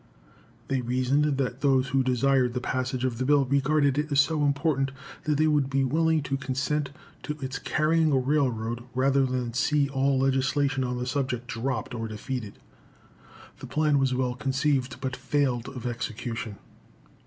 They reasoned that those who desired the passage of that bill regarded it as so important that they would be willing to consent to its carrying a railroad rather than see all legislation on the subject dropped or defeated. The plan was well conceived, but failed of execution.